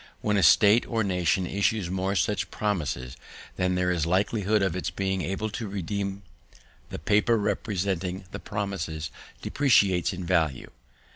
When a state or nation issues more such promises than there is a likelihood of its being able to redeem, the paper representing the promises depreciates in value.